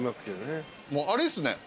もうあれっすね